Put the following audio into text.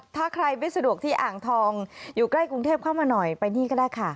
ถ้าใครไม่สะดวกที่อ่างทองอยู่ใกล้กรุงเทพเข้ามาหน่อยไปนี่ก็ได้ค่ะ